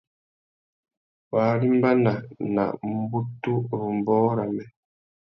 Wa arimbana nà mbutu râ ambōh râmê.